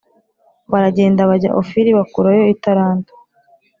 Baragenda bajya ofiri bakurayo italanto